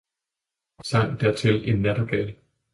Sang dertil en Nattergal!